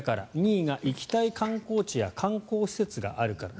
２位が行きたい観光地や観光施設があるから。